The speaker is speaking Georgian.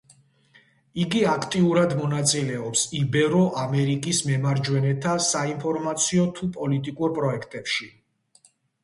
იგი აქტიურად მონაწილეობს იბერო-ამერიკის მემარჯვენეთა საინფორმაციო თუ პოლიტიკურ პროექტებში.